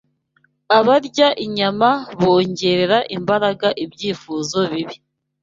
Abarya inyama bongerera imbaraga ibyifuzo bibi